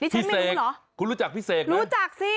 พี่เสกคุณรู้จักพี่เสกไหมรู้จักสิ